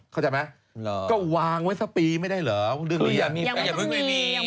เข้าใจมั้ยก็วางไว้สักปีไม่ได้เหรอเรื่องนี้ยังไม่ต้องมี